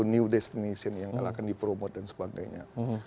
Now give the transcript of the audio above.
sepuluh new destination yang akan dipromosikan dan sebagainya